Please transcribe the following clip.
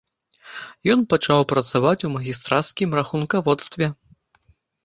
Ён пачаў працаваць у магістрацкім рахункаводстве.